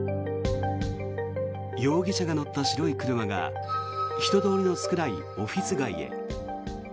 容疑者が乗った白い車が人通りの少ないオフィス街へ。